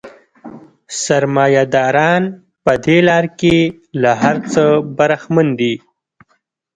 سرمایه داران په دې لار کې له هر څه برخمن دي